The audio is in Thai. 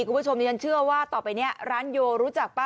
คุณผู้ชมดิฉันเชื่อว่าต่อไปเนี่ยร้านโยรู้จักป่ะ